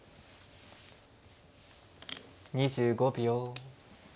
２５秒。